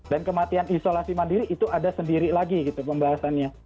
dan kematian isolasi mandiri itu ada sendiri lagi gitu pembahasannya